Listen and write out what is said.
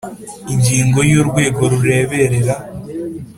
Ingingo ya urwego rureberera